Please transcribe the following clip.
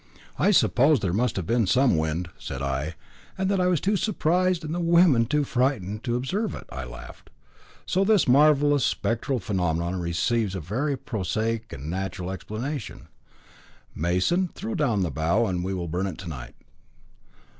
"I suppose there must have been some wind," said I, "and that I was too surprised and the women too frightened to observe it," I laughed. "So this marvellous spectral phenomenon receives a very prosaic and natural explanation. Mason, throw down the bough and we will burn it to night."